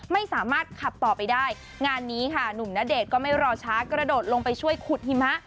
ไม่สามารถขับต่อไปได้งานนี้ค่ะหนุ่มณเดชน์ก็ไม่รอช้ากระโดดลงไปช่วยขุดหิมะ